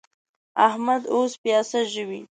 احمد اوس پياڅه ژووي.